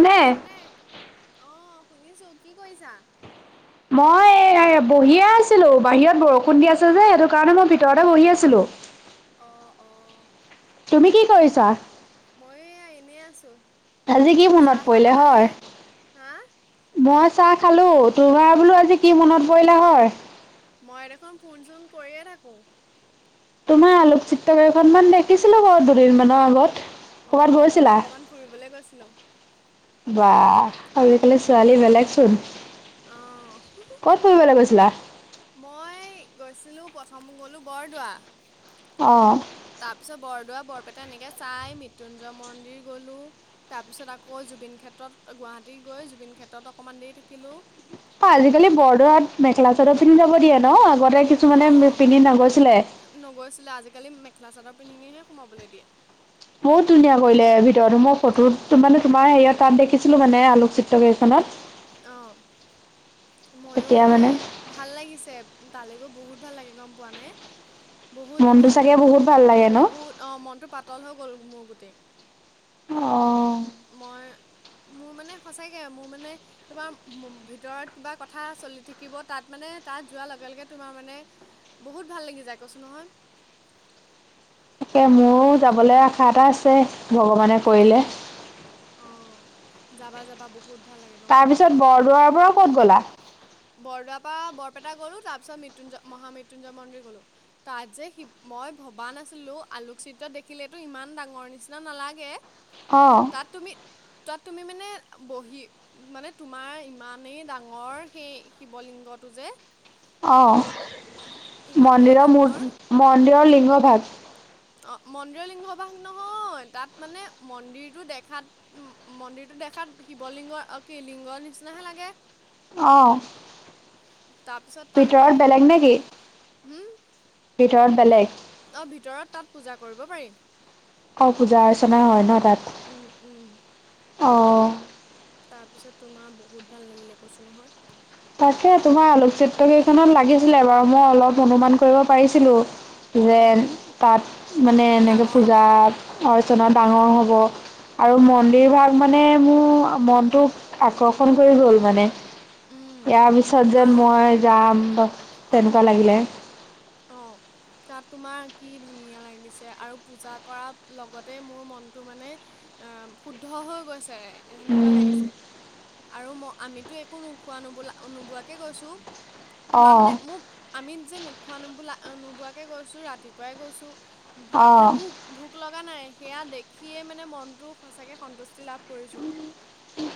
শুনিছানে অ', শুনিছো কি কৰিছা? মই বহিয়ে আছিলো বাহিৰত বৰষুণ দি আছে যে সেইটো কাৰণে মই ভিতৰতে বহি আছিলো। অ', অ' তুমি কি কৰিছা। মই এয়া এনেই আছোঁ। আজি কি মনত চাহ তাহ পৰিলে খালানে? হয়। হা? মই চাহ খালোঁ তোৰ [unintelligible] বোলো আজি কি মনত পৰিলে হয়। মই দেখোন ফোন চোন কৰিয়ে থাকোঁ। তোমাৰ আলোকচিত্ৰ কেইখনমান দেখিছিলো বাৰু দুদিনমানৰ আগত। অ ক'ৰবাত মই গৈছিলা? অকণমান ফুৰিবলৈ গৈছিলোঁ। বাহ আজিকালি ছোৱালী বেলেগচোন। অহ। ক'ত ফুৰিবলৈ গৈছিলা। মই গৈছিলোঁ প্ৰথম গ'লো বৰদোৱা। অ। তাৰপিছত বৰদোৱা বৰপেটা এনেকৈ চাই মৃত্যুঞ্জয় মন্দিৰ গ'লোঁ। তাৰপিছত আকৌ জুবিন ক্ষেত্ৰত গুৱাহাটী গৈ জুবিন ক্ষেত্ৰত অকমান দেৰি থাকিলোঁ। [unintelligible] আজিকালি বৰদোৱাত মেখেলা চাদৰ পিন্ধি যাব দিয়ে নহ আগতে কিছুমানে পিন্ধি নগৈছিলে। নগৈছিলে আজিকালি মেখেলা চাদৰ পিন্ধিহে সোমাবলৈ দিয়ে। বহুত ধুনীয়া কৰিলে ভিতৰত মই ফটো মানে তোমাৰ হেৰি তাত দেখিছিলো মানে আলোকচিত্ৰ কেইখনত। অ মইও তেতিয়া মানে সেই। ভাল লাগিছে তালে গৈ বহুত ভাল লাগে গম পোৱা নে। বহুত মনটো ভাল চাগে লাগে মানে বহুত ভাল লাগে ন? বহুত অ মনটো পাতল হৈ গ'ল মোৰ গোটেই। অ। মই মোৰ মানে সঁচাকে মোৰ মানে। তোমাৰ ভিতৰত কিবা কথা চলি থাকিব তাত মানে তাত যোৱাৰ লগে লগে তোমাৰ মানে। বহুত ভাল লাগি যায় কৈছো নহয়। তাকে মোৰো যাবলৈ আশা এটা আছে ভগৱানে কৰিলে। অ যাবা, যাবা বহুত। ভাল লাগে গম পোৱা তাৰপিছত বৰদোৱাৰ পৰা ক'ত গ'লা। বৰদোৱাৰ পৰা বৰপেটা গ'লোঁ তাৰপিছত মৃত্যুঞ্জয় মহা মৃত্যুঞ্জয় মন্দিৰ গ'লোঁ। তাত যে শিৱ মই ভবা নাছিলো আলোকচিত্ৰ দেখিলেতো ইমান ডাঙৰ নিচিনা নালাগে। অ। তাত তুমি তাত তুমি মানে বহি মানে তোমাৰ ইমানেই ডাঙৰ। সেই শিৱলিংগটো যে। অ ইমানেই মন্দিৰৰ ডাঙৰ [unintelligible] মন্দিৰৰ লিংগ ভাগ। অ মন্দিৰৰ লিংগ ভাগ নহয় তাত মানে মন্দিৰটো দেখাত। মন্দিৰটো দেখাত শিৱ লিংগ কি লিংগৰ নিচিনাহে লাগে। অ', তাৰপিছত ভিতৰত বেলেগ নেকি? [unintelligible] হম। ভিতৰত বেলেগ। অ ভিতৰত তাত পূজা কৰিব পাৰি। অ পূজা অৰ্চনা হয় নহ তাত। উম উম। অ। তাৰপিছত তোমাৰ বহুত ভাল লাগিলে কৈছোঁ নহয়। তাকে তোমাৰ আলোকচিত্ৰ কেইখনত লাগিছিলে বাৰু মই অলপ অনুমান কৰিব পাৰিছিলো। যে উম তাত মানে এনেকৈ ডাঙৰ পূজা হ'ব অৰ্চনা ডাঙৰ হ'ব। আৰু অঁ মন্দিৰভাগ মানে মোৰ মনটো আকৰ্ষণ কৰি গ'ল মানে। উম ইয়াৰ পিছত যেন আৰু মই যাম তেনেকুৱা লাগিলে। অ। তাত তোমাৰ কি ধুনীয়া লাগিছে আৰু পূজা কৰাৰ লগতে মোৰ মনটো মানে। আহ শুদ্ধ হৈ গৈছে এনেকুৱা লাগিছে। আৰু ম আমিতো একো নোখোৱা নোবালা-নোবোৱাকে গৈছোঁ। তোমাৰ অঁ মানে মোক আমি যে নোখোৱা নোবোলা উম নোখোৱাকে গৈছো ৰাতিপুৱাই গৈছো। ভা মানে অঁ বুক ভোক লগা নাই সেয়া দেখিয়েই মানে মনটো সঁচাকৈ সন্তুষ্টি লাভ কৰিছো।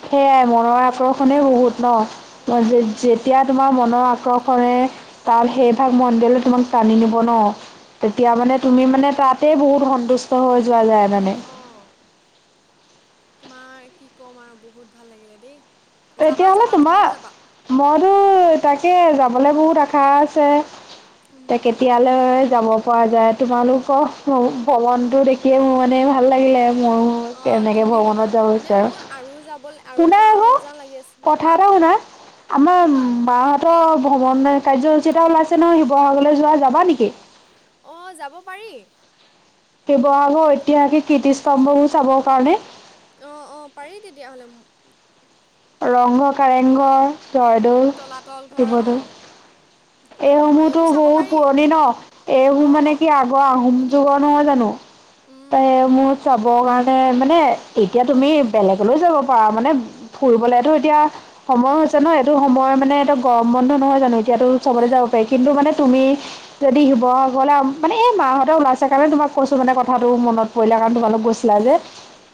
সেইয়াই মনৰ আকৰ্ষণেই বহুত ন। উম উম যে-যে-যেতিয়া তোমাৰ মনৰ আকৰ্ষণেৰে তাৰ সেই ভাগ মন্দিৰলৈ তোমাক টানি নিব ন। তেতিয়া উম মানে তুমি মানে তাতেই বহুত সন্তুষ্ট হৈ যোৱা যায় মানে। অ' তোমাৰ কি কম আৰু বহুত ভাল লাগিলে দেই। যাবা তেতিয়াহ'লে যাবা তোমাৰ তুমিও যাবা। মইতো তাকে যাবলৈ বহুত আশা আছে। উম তেকে ইয়ালৈ যাব পৰা যায় উম তোমালোকৰ ভৱনতো দে খিয়ে মোৰ মানে ভাল লাগিলে মোৰ অ', তুমি গ মানে মোৰ আৰু যাব আৰু শুনা যাওঁ আকৌ আৰু যাওঁ লাগি আছে। কথা কোৱাম এটা শুনা আমাৰ কোৱাম মাহঁতৰ ভ্ৰমণ কাৰ্যসূচী এটা ওলাইছে নহয় শিৱসাগৰলৈ যোৱা। যাবা নেকি? অ', যাব পাৰি। শিৱসাগৰ ঐতিহাসিক কীৰ্তিতম্ভবো চাবৰ কাৰণে। অ', অ', পাৰি তেতিয়া হ'লে ৰং ঘৰ, কাৰেং ঘৰ, জয়দৌল, তলাতল ঘৰ শিৱদৌল। অ' অ' এইসমূহতো এইবোৰ চাব বহুত পাৰি পুৰণি ন। এইসমূহ মানে অ' কি আহোম যুগৰ নহয় জানো উম ত মোৰ চাবৰ কাৰণে মানে এতিয়া তুমি বেলেগলৈ যাব পাৰা মানে ফুৰিবলৈতো এতিয়া সময়ো হৈছে ন এইটো সময় মানে এইটো গৰম বন্ধ নহয় জানো এতিয়াতো চবলৈ উম যাব পাৰি কিন্তু মানে তুমি যদি শিৱসাগৰলৈ মানে এই মাহঁতে ওলাইছে কাৰণে তোমাক কৈছো মানে কথাটো মনত পৰিলে কাৰণ তোমালোক গৈছ ছিলা যে।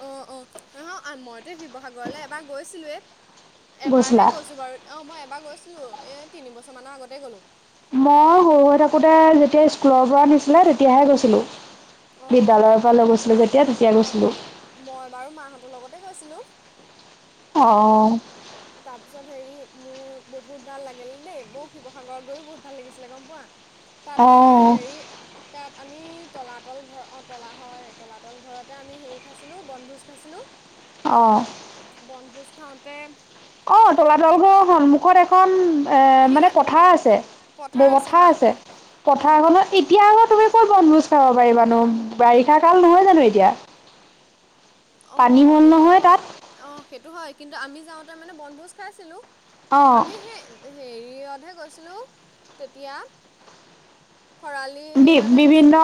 অ', অ', মইতো শিৱসাগৰলৈ এবাৰ গৈছিলোৱেই গৈছিলা এবাৰহে গৈছোঁ বাৰু। অ', মই এবাৰ গৈছিলো এই তিনি বছৰ মানৰ আগতেই গ'লো। মই সৰু হৈ থাকোঁতে যেতিয়া স্কুলৰ পৰা নিছিলে তেতিয়াহে গৈছিলো। অ' বিদ্যালয়ৰ পৰা লৈ গৈছিলো যেতিয়া তেতিয়া অ' গৈছিলো। মই বাৰু মাহঁতৰ লগতে গৈছিলো। অ'। তাৰপিছত হেৰি মোৰ বহুত ভাল লাগিলে দেই। মই শিৱসাগৰত গৈয়ো বহুত ভাল লাগিছিলে গম পোৱা। তাত তোমাৰ অঁ হেৰি তাত আমি তলাতল ঘৰ অ' তলা হয় তলাতল ঘৰতে আমি হেৰি খাইছিলো বনভোজ খাইছিলো। অ'। বনভোজ খাওঁতে অ', তলাতল ঘৰৰ সন্মুখত এখন এ ফিল্ড মানে পথাৰ অ' আছেয় ব পথাৰ পথাাৰ হয় আছে উম। পথাৰখনত এতিয়া আকৌ তুমি ক'ত বনভোজ খাব পাৰিবানো বাৰিষা কাল নহয় জানো এতিয়া। পানী অ', হ'ল এইটো নহয় হয়। তাত অ', সেইটো হয় কিন্তু আমি যাওঁতে মানে বনভোজ খাইছিলো অ', আমি সেই হেৰিতহে গৈছিলোঁ তেতিয়া। খৰালি হেৰিয়তে বি-বিভিন্ন গৈছিলোঁ।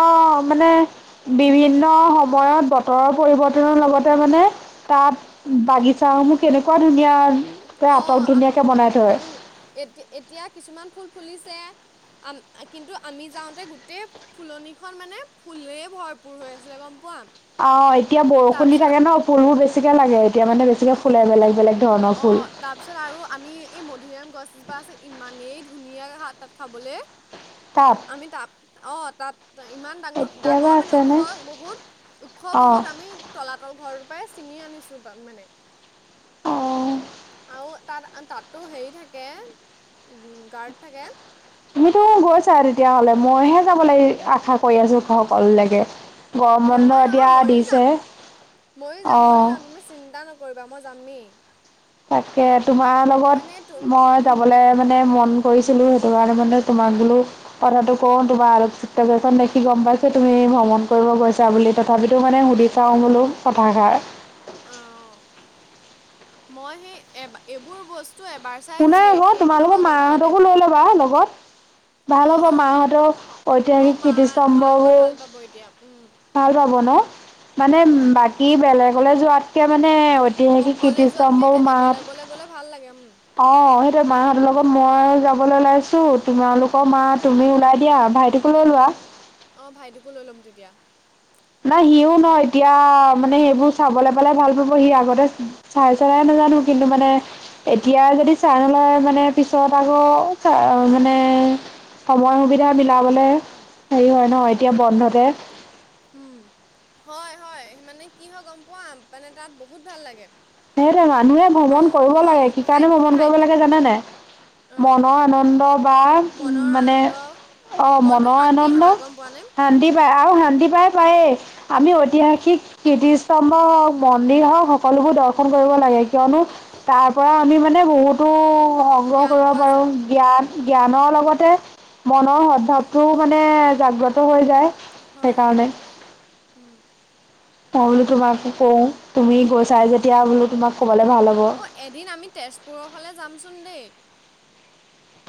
মানে বিভিন্ন সময়ত বতৰৰ পৰিৱৰ্তনৰ লগতে মানে তাত বাগিচাসমূহ কেনেকুৱা ধুনীয়াকৈ আটক ধুনীয়াকৈ বনাই থয়। এতি-এতিয়া কিছুমান ফুল ফুলিছে, কিন্তু আমি যাওঁতে গোটেই ফুলনিখন মানে ফুলেই ভৰপৰ হৈ আছিলে গম পোৱা। অ', এতিয়া বৰষুণ দি তাৰপিছত থাকে ন ফুলবোৰ বেছিকে লাগে এতিয়া মানে বেছিকে অ', ফুলে বেলেগ বেলেগ ধৰণৰ ফুল। অ', তাৰপিছত আৰু আমি এই মধুৰিআম গছজোপা আছে ইমানেই ধুনীয়াকৈ তাত খাবলৈ। তাত। আমি তাত অ' তাত ইমান ডাঙৰ এতিয়াবা ডাঙৰ মানে ওখ আছেনে বহুত ওখ অঁ বহুত আমি তলাতল ঘৰৰ পৰাই ছিঙি আনিছোঁ মানে অ', আৰু তাত তাতো হেৰি থাকে, গাৰ্ড থাকে তুমিতো গৈছা তেতিয়াহ'লে মইহে যাব লাগ আশা কৰি আছো সকলকে নহয় নহয় ময়ো যাম ময়ো যাম ময়ো অঁ যাম তুমি চিন্তা নকৰিবা মই যামেই তাকে, তোমাৰ মানে তুম লগত মই ইম ই যাবলৈ মানে মন কৰিছিলো, সেইটো কাৰণে মানে তোমাক বলো কথাাতটো কওঁ তোমাৰ আলোকচিত্ৰ দেখি গম পাইছ তুমি ভ্ৰমণ কৰিব গৈছা বুলি তথাপিতো মানে, সুধি চাওঁ বোলো কথাষাৰ [unintelligible] চাই শুনা হে আকৌ শেষ তোমালোকৰ নহয়, গম পোৱা নাই মাহঁতকো ল'বা লগত- ভাল হ'ব অ', মাহঁতৰ অ', ঐতিহাসিক মা, মা গৈ কীৰ্তিস্তম্ভবোৰ ভাল পাব এতিয়া উম', ভাল পব ন মানে, ভাল পাব বাকী বেলেগলৈ যোৱাতকে মানে ঐতিহাসিক অকলে যোৱাতকৈ কীৰ্ত্তিস্তম্ভও তে- মাত দলে বলে ভাল লাগে ম অ', সেইটো মাহঁতৰ লগত মই যাবলৈ ওলাইছো, তোমালোকৰ মা তুমি ওলাই দিয়া ভাইটোক লোৱা অ', ভাইটিকো লৈ ল'ম তেতিয়া নাই সিও ন এতিয়া মানে, সেইবোৰ চাবলৈ পালে ভাল পাব সি আগতে চাই চেলাই নাজানো, কিন্তু মানে এতিয়া, যদি চাই নোলয় মানে পিছত আকৌ চ মানে সময় সুবিধা মিলাবলে হেৰি হয় নহ উম এতিয়া বন্ধতে উম, হয়, হয়, মানে কি হয় গম পোৱা মানে তাত বহুত ভাল লাগে সেইটে, মানুহে আৰু ভ্ৰমণ কৰিব মা লাগে কি কাৰণে ভাইটি ভ্ৰমণ কৰিব ভাইটি লাগে জানোনে অঁ মনৰ আনন্দ, বা উ মনৰ মানে আনন্দ অ', মনটো মনৰ শান্তি আনন্দ, হয় গম পোৱানে শান্তি পাই আৰু শান্তি পাই পায় আমি ঐতিহাসিক কীৰ্তিস্তম্ভ হওক, মন্দিৰ হওঁক সকলোবোৰ দৰ্শ কৰিব লাগে কিয়নো তাৰপৰাআমি মানে, বহুতো সংগ্ৰহ জ্ঞান কৰিব পোৱা পাৰোঁ যায় জ্ঞান উম, জ্ঞানৰ লগতে মনৰ সদভাৱটোও মানে জাগ্ৰত হৈ যায় হয়, হয় সেইকাৰণে মই বোলো তোমাকো কওঁ, তুমি গৈ চাই উম। যেতিয়া বোলো তোমাক ক'বে ভাল হ'ব অ' এদিন আমি তেজপুৰৰ ফালে যামচোন দেই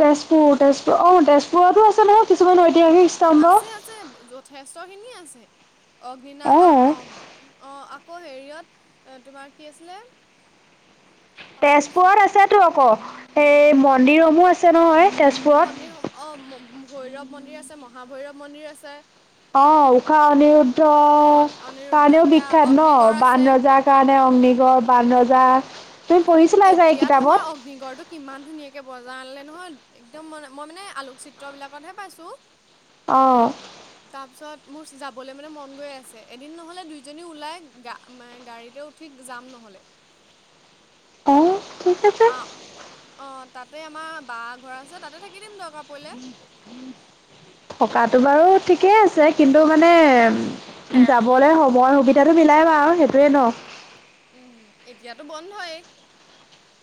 তেজপুৰ, তেজপুৰ, অ', তেজপুৰতো আছে নহয় কিছুমান ঐতিহাসিক স্তম বা [unintelligible] আকৌ অ', হেৰিয়ত তোমাৰ কি আছিলে পাহৰিছোৱেই তেজপুৰত আছেতো আকৌ, এই মন্দিৰসমূহ আছে নহয় তেজপুৰত। মন্দিৰ সম অ, ভৈৰৱ মন্দিৰ আছে, মহাভৈৰৱ মন্দিৰ আছে অ', ঊশা অনিৰুদ্ধ অ অনিৰুদ্ধ কাৰণেও সেয়া বিখ্যাত ন অগ্নিগড় আছে বান ৰজাক কাৰণে অগ্নিগড় বান উম। ৰজা তুমি পৰিছ এতিয়া তোমাৰ কিমান ধুনীয়াকৈ বজাই আনিলে নহয় একদম ম মই মানে আলোকচিত্ৰবিলাকতহে পাইছোঁ অ', তাৰপিছত মোৰ যাবলৈ মানে, মন গৈ আছে এদিন নহ'লে দুইজনী ওলাই গা ম গাড়ীতে ঠিক যাম নহ'লে অ', ঠিক আছে অ', তাতে আমাৰ বা ঘৰ আছে, তাতে থাকি দিম দিয়ক থকাতো বাৰু ঠিকেই আছে, কিন্তু মানে যাবলৈ সময় সুবিধাতটো মিলাই বা সেইটোয়ে ন উম, এতিয়াতো বন্ধই।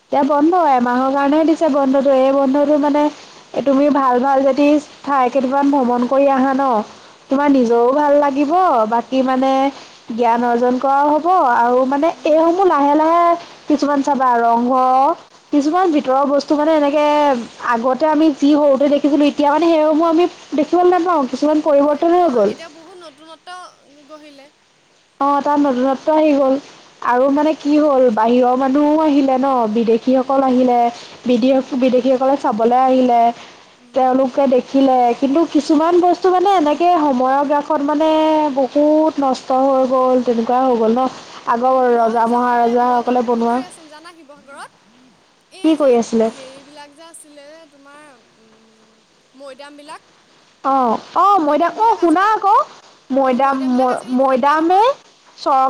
এতিয়া বন্ধ, এমাহৰ কাৰণেহে দিছে বন্ধটো এই বন্ধটো মানে এই তুমি ভাল ভাল যদি ঠাই কেইটামান ভ্ৰমণ কৰি আহা ন' তোমাৰ উম, নিজৰো ভাল লাগিব, বাকী মানে জ্ঞান অৰ্জন কৰাও হ'ব আৰু মানে উম, এইসমূহ লাহে লাহে কিছুমান চাবা ৰংঘ কিছুমান ভিতৰৰ বস্তু মানে এনেকে আগতে আমি যি সৰুতে দেখিছিলো এতিয়া মানে সেইসমূহ আমি দেখিবলৈ নাপাওঁ। কিছুমান পৰিৱৰ্তন হৈ নেপোৱা, গ'ল এতিয়া বহুত নতুনত্ব গঢ়িলে। অ', তাত নতুনত্ব আহি গ'ল, আৰু উম, মানে কি হ'ল বাহিৰৰ মানুহও আহিলে ন' বিদেশ শী সকল উম, আহিলে উম, বিদেশ-বিদেশীসকলে চাবলৈ আহিলে উম, তেওঁলোকে আহিলে, কিন্তু কিছুমান বস্তু মানে এনেকে সময়ৰগ্ৰাসত মানে বহুত নষ্ট নষ্ট হৈ গ'ল, তেনেকুৱা হৈ গ'ল ন'। আগৰ উম, মই ৰজা যাওঁতে, মই মহাৰজাসকলে যাওঁতে কি বনোৱা কৰি আছিল জানা শিৱসাগৰত? এই কি যে কৰি আছিলে হেৰিবিলাক যে আছিলে তোমাৰ মৈদামবিলাক অ', অ', মৈদাম অ', মৈদামবিলাক শুনা আজিকালি আকৌ অঁ মৈদাম মৈদামবিলাক আজিকালি খান্দে ম-মৈদামে নহয়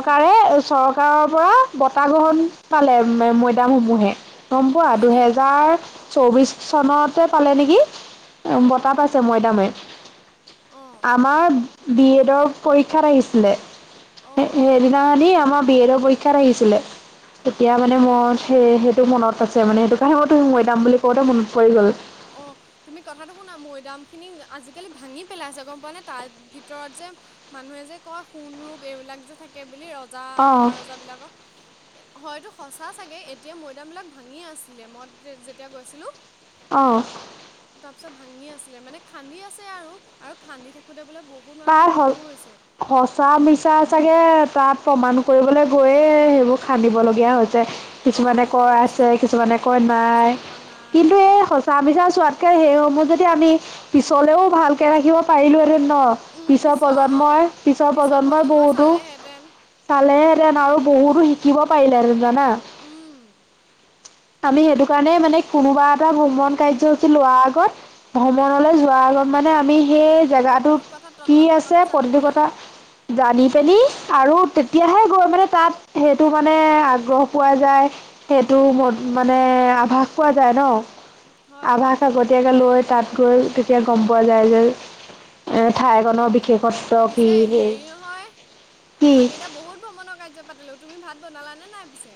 উম পৰা বঁটা গ্ৰহণ উম পালে মৈদামসমূহে। গম পোৱা হয়নি দুহেজাৰ চৌবিশ চনতে পালে নেকি? বঁটা অঁ পাইছে মই অঁ আমাৰ বি এডৰ পৰীক্ষাত আহিছিলে। অঁ অঁ সে-সেইদিনাখনি আমাৰ বি এডৰ পৰীক্ষাত আহিছিলে, তেতিয়া অঁ মানে মই সেই সেইটো মনত আছে মানে সেইটো কাৰণেিহঁতো [unintelligible] মৈদাম বুলি কওঁতে মনত পৰি গ'ল অ' তুমি কথাটো শুনা, মৈদামখিনি আজিকালি ভাঙি পেলাইছে গম পোৱা নাই তাৰ ভিতৰত যে মানুহে যে কয় সোণ ৰূপ এইবিলাক যে থাকে বুলি ৰজা অ', মহাৰজাবিলাকক হয়টো সঁচা চাগে, এতিয়া মৈদামবিলাক ভাঙি আছিলে মই যেতিয়া গৈছিলোঁ। অ'। তাৰ পিছত ভাঙি আছিলে, মানে খান্দি আছে আৰু আৰু খান্দি থাকোতে বোলে বহু পাৰ হ'ল সঁচা মিছা চাগে তাত প্ৰমাণ কৰিবলৈ গৈয়ে সেইবোৰ খান্দিবলগীয়া হৈছে। অঁ কিছুমানে সেইটোৱে কয় হৈছে আছে চাগে কিছুমানে কয় নাই, কিছুমানে কয় নাই কিন্তু এই অঁ সঁচা মিছা চোৱাত ত সেইসমূহ যদি আমি পিছলেও ভালকে ৰাখিব পাৰিলোহেতেন ন'। উম পিছৰ অঁ প্ৰজন্মই পিছৰ প্ৰজন্মই বহুতো পালেহেঁতেন আৰু বহুতো শিকিব পাৰিলেহেতেন জানা। উম আমি সেইটো কাৰণে মানে কোনোবা এটা ভ্ৰমণ কাৰ্যসূচী লোৱাৰ আগত ভ্ৰমণলৈ যোৱাৰ আগত মানে আমি সেই জেগাটো প্ৰতিটো কথা কি তন্ন আছে তন্নকৈ জানিব প্ৰতিটো কথা লাগে জানি পিনি আৰু তেতিয়াহে গৈ মানে তাত সেইটো মানে আগ্ৰহ পোৱা যায় সেইটো ম-মানে আভাস পোৱা যায় হয় ন'। হয় আভাস আগতীয়াকৈ লৈ তাত গৈ তেতিয়া গম পোৱা যায় যে উম, ঠাইকণৰ বিশেষত্ব কি পিছে সেই হেৰি নহয় কি আমি এ বহুত ভ্ৰমণৰ কাৰ্য পাতিলো, তুমি ভাত বনালা নে নাই পিছে?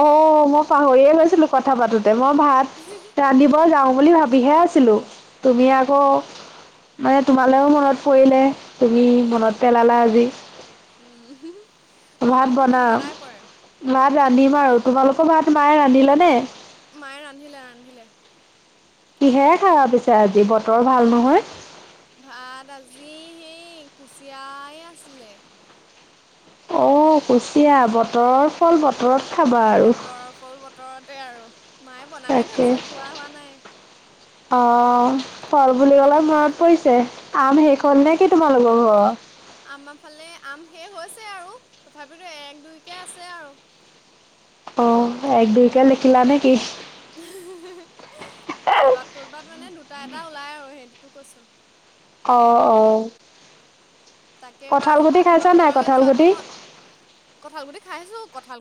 অ', মই পাহৰিয়ে গৈছিলো কথা পাতোতে, মই ভাত ৰান্ধিব যাও বুলি ভাবিহে আ ছিলো তুমি আকৌ অঁ মানে, তোমালৈও মনত পৰিলে তুমি উম মনত পেলালা আজি। উম'। ভাত মনততো মোৰ বনাম, সদায় পৰে ভাত ৰান্ধিম আৰু, তোমালোকৰ ভাত মায়ে ৰান্ধিলে নে? মায়ে ৰান্ধিলে ৰান্ধিলে। কিহে খাবা পিছে আজি? বতৰ ভাল নহয়। ভাত আজি সেই কুচিয়াই আছিলে। অ', কুচিয়া বতৰৰ ফল বতৰত খাবা আৰু। বতৰৰ ফল বতৰতে আৰু, মায়ে বনাহে থৈ তাকে দিছে, খোৱা হোৱা নাই। অ' ফল বুলি উম কলে মনত পৰিছে। আম শেষ উম। হল নেকি তোমালোকৰ ঘৰত। আমাৰ ফালে আম শেষ হৈছে আৰু তথাপিতো এক দুইকে আছে আৰু। অ' এক দুইকে লেখিলা নেকি। ক'ৰবাত ক'ৰবাত মানে দুটা এটা ওলাই আৰু সেইটোতো কৈছোঁ। অ', অ' তাকে, কঁঠাল বাৰু গুটি মই খাইছা নাই শিৱসাগৰলৈ কঁঠাল যোৱাটো, গুটি মই কঁঠাল গুটি খাইছোঁ কঁঠাল